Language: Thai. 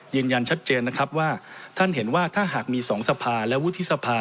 ยืนยันชัดเจนนะครับว่าท่านเห็นว่าถ้าหากมี๒สภาและวุฒิสภา